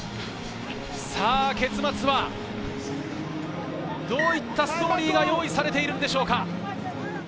結末は、どういったストーリーが用意されているでしょうか。